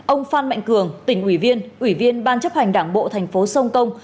ông phan mạnh cường tỉnh ủy viên ủy viên ban chấp hành đảng bộ thành phố sông công